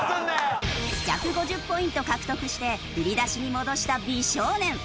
１５０ポイント獲得して振り出しに戻した美少年。